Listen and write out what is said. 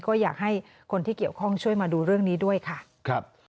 ก็อยากให้คนที่เกี่ยวข้องช่วยมาดูเรื่องนี้ด้วยค่ะครับ